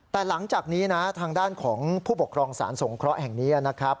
แต่หลังจากนี้นะทางด้านของผู้ปกครองสารสงเคราะห์แห่งนี้นะครับ